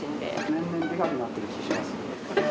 年々でかくなってる気がします。